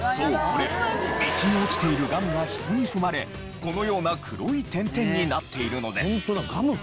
これ道に落ちているガムが人に踏まれこのような黒い点々になっているのです。